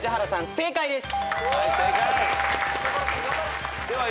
正解です。